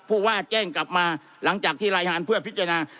ผู้ว่าแจ้งกลับมาหลังจากที่รายงานเพื่อพิจารณา